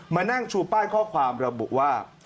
มานั่งชูป้ายข้อความระบุว่า